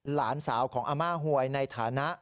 หลานสาวของอาม่าหวยในฐานะ